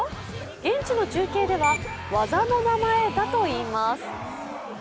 現地の中継では技の名前だといいます。